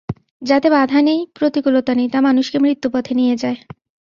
যাতে বাধা নেই, প্রতিকূলতা নেই, তা মানুষকে মৃত্যুপথে নিয়ে যায়।